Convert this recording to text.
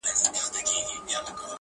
شناخت به کوو، کور ته به نه سره ځو.